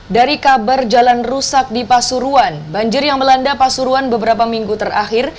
dari kabar jalan rusak di pasuruan banjir yang melanda pasuruan beberapa minggu terakhir